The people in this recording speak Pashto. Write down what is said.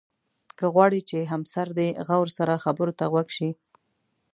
که غواړې چې همسر دې غور سره خبرو ته غوږ شي.